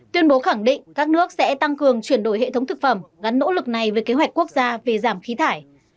tuyên bố khẳng định các nước sẽ tăng cường chuyển đổi hệ thống thực phẩm gắn nỗ lực này với kế hoạch quốc gia về giảm khí thải